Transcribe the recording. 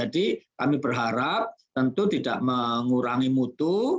kami berharap tentu tidak mengurangi mutu